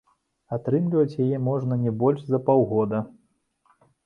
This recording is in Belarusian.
Атрымліваць яе можна не больш за паўгода.